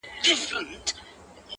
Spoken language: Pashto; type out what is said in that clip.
نه شرنګى سته د پاوليو نه پايلو-